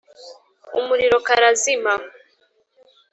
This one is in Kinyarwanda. umuriro karazima.